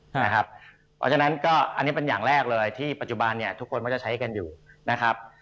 เพราะฉะนั้นก็อันนี้เป็นอย่างแรกเลยที่ปัจจุบันเนี่ยทุกคนก็จะใช้กันอยู่นะครับ